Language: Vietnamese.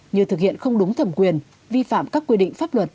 như thực hiện không đúng thẩm quyền vi phạm các quy định pháp luật